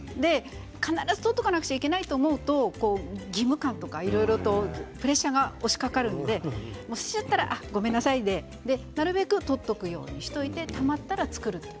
必ず取っておかなきゃいけないと思うと義務感とかプレッシャーが押しかかるので忘れちゃったらごめんなさいでなるべく取っておくようにしてたまったら作る。